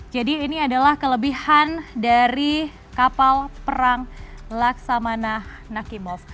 jadi ini adalah kelebihan dari kapal perang laksamana nakimov